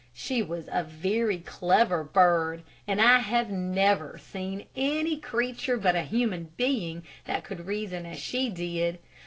She was a very clever bird, and I have never seen any creature but a human being that could reason as she did.